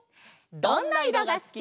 「どんな色がすき」。